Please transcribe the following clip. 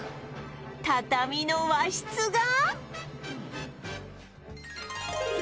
畳の和室が